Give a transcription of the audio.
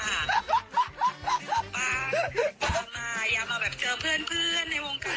ป่าป่ามาอยากมาแบบเจอเพื่อนในวงการ